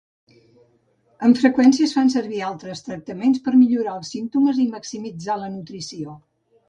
Amb freqüència, es fan servir altres tractaments per millorar els símptomes i maximitzar la nutrició.